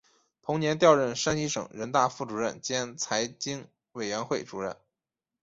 同年调任山西省人大副主任兼财经委员会主任。